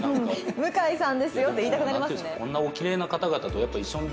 向さんですよって言いたくなりますね。